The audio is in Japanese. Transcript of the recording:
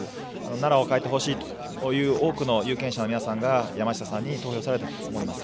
奈良を変えてほしいという多くの有権者の皆さんが、山下さんに投票されたと思います。